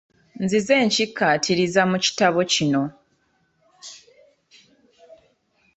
Nzize nkikkaatiriza mu kitabo kino.